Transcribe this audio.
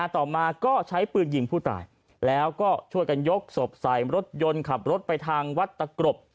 ต่อมาก็ใช้ปืนยิงผู้ตายแล้วก็ช่วยกันยกศพใส่รถยนต์ขับรถไปทางวัดตะกรบ